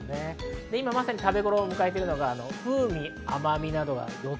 今まさに食べごろを迎えているのが風味、甘みなど、よ